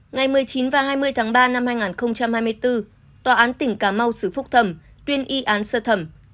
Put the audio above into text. ngày một mươi chín và hai mươi tháng ba năm hai nghìn hai mươi bốn tòa án tỉnh cà mau xử phúc thẩm tuyên y án sơ thẩm